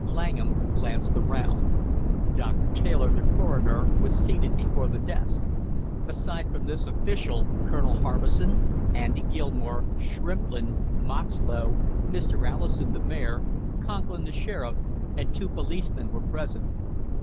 Langham glanced around. Doctor Taylor the coroner was seated before the desk; aside from this official Colonel Harbison, Andy Gilmore, Shrimplin, Moxlow, Mr. Allison, the mayor, Conklin, the sheriff, and two policemen were present.